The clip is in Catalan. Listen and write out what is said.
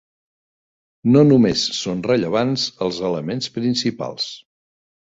No només són rellevants els elements principals.